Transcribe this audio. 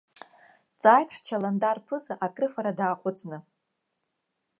Дҵааит ҳчаландар ԥыза, акрыфара дааҟәыҵны.